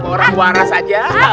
orang waras aja